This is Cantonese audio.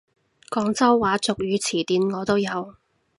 廣州話俗語詞典我都有！